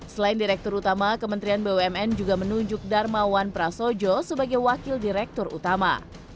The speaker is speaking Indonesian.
selain direktur utama kementerian bumn juga menunjuk darmawan prasojo sebagai wakil direktur utama